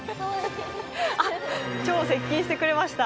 超接近してくれました。